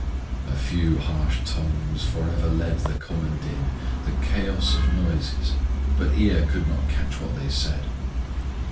A few harsh tongues for ever led The common din, the chaos of noises, But ear could not catch what they said.